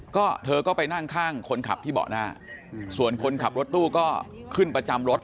ก็เธอก็ไปนั่งข้างคนขับที่เบาะหน้าส่วนคนขับรถตู้ก็ขึ้นประจำรถ